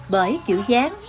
bởi kiểu dáng